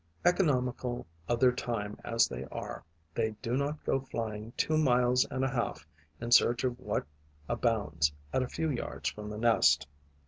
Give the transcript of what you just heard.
Economical of their time as they are, they do not go flying two miles and a half in search of what abounds at a few yards from the nest.